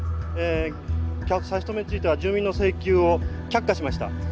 差し止めについては住民の請求を却下しました。